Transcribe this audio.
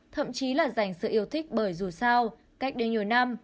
thậm chí là dành sự yêu thích bởi dù sao cách đây nhiều năm